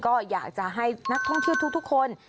ก็อยากจะให้นักท่องเที่ยวทุกคน